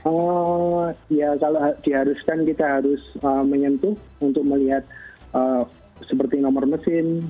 oh ya kalau diharuskan kita harus menyentuh untuk melihat seperti nomor mesin